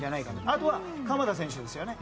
あとは、鎌田選手ですよね。